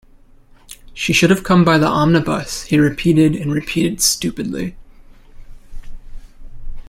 "She should have come by the omnibus," he repeated and repeated stupidly.